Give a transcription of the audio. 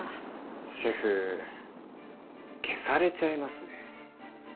シェフ消されちゃいますね。